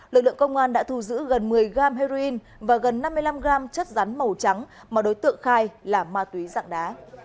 lực lượng công an đã thu giữ gần một mươi gam heroin và gần năm mươi năm g chất rắn màu trắng mà đối tượng khai là ma túy dạng đá